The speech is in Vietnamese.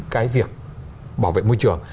cái việc bảo vệ môi trường